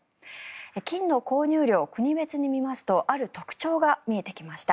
金の購入量を国別に見ますとある特徴が見えてきました。